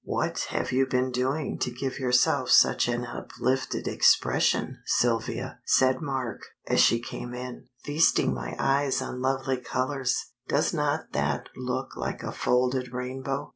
"What have you been doing to give yourself such an uplifted expression, Sylvia?" said Mark, as she came in. "Feasting my eyes on lovely colors. Does not that look like a folded rainbow?"